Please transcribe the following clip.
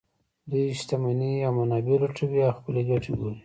دوی شتمنۍ او منابع لوټوي او خپلې ګټې ګوري